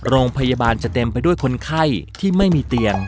โรงพยาบาลจะเต็มไปด้วยคนไข้ที่ไม่มีเตียง